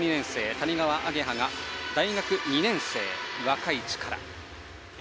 谷川亜華葉が大学２年生、若い力。